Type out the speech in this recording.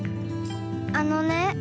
あのね。